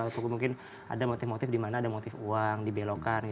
tapi mungkin ada motif motif di mana ada motif uang dibelokkan